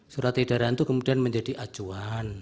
surat edaran itu kemudian menjadi acuan